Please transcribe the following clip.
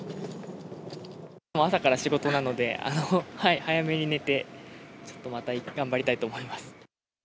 朝から仕事なので、早めに寝て、ちょっとまた頑張りたいと思います。